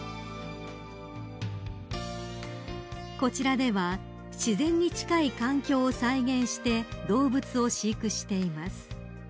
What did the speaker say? ［こちらでは自然に近い環境を再現して動物を飼育しています］